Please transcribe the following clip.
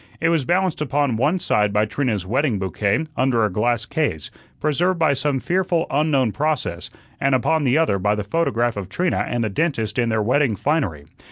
It was balanced upon one side by Trina's wedding bouquet under a glass case, preserved by some fearful unknown process, and upon the other by the photograph of Trina and the dentist in their wedding finery.